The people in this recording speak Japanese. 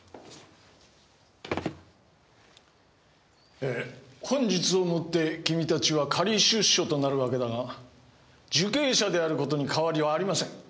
えぇ本日をもって君たちは仮出所となるわけだが受刑者であることに変わりはありません。